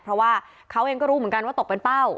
เพราะว่าเขาเองก็รู้เหมือนกันว่าตกเป็นเป้า